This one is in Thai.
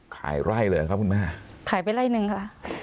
ขายไร่เลยเหรอครับคุณแม่ขายไปไล่หนึ่งค่ะ